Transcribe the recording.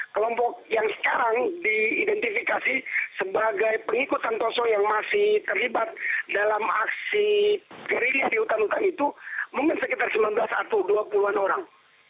kelompok yang sekarang diidentifikasi sebagai pengikut santoso yang masih terlibat dalam aksi gerilya di hutan hutan itu mungkin sekitar sembilan belas atau dua puluh an orang